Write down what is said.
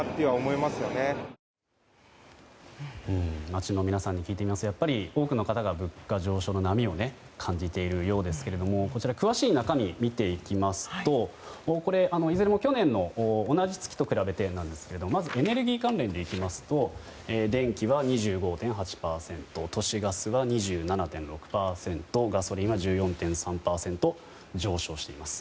街の皆さんに聞いてみますとやっぱり多くの方が物価上昇の波を感じているようですが詳しい中身を見ていきますと、いずれも去年の同じ月と比べてですがまずエネルギー関連でいきますと電気は２５．８％都市ガスは２７．６％ガソリンは１４．３％上昇しています。